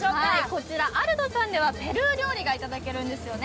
こちらＡＬＤＯさんではペルー料理がいただけるんですよね。